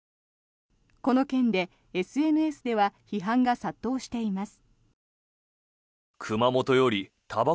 この件でＳＮＳでは批判が殺到しています。